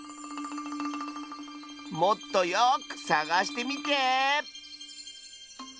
もっとよくさがしてみて！